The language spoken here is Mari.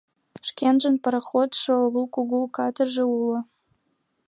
Шкенжын пароходшо, лу кугу катерже уло.